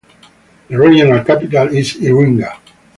The regional capital is Iringa.